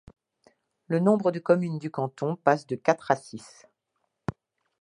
Le nombre de communes du canton passe de quatre à six.